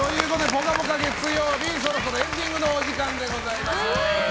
「ぽかぽか」月曜日、そろそろエンディングのお時間です。